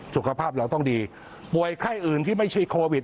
สุขภาพเราต้องดีป่วยไข้อื่นที่ไม่ใช่โควิด